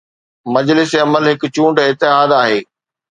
مجلس عمل هڪ چونڊ اتحاد آهي.